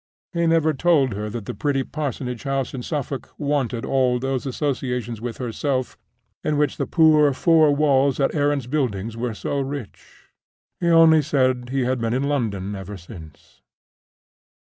He never told her that the pretty parsonage house in Suffolk wanted all those associations with herself in which the poor four walls at Aaron's Buildings were so rich. He only said he had been in London ever since.